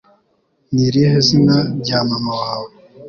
Ni irihe zina rya mama wawe